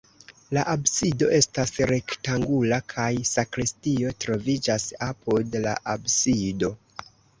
La absido estas rektangula kaj sakristio troviĝas apud la absido.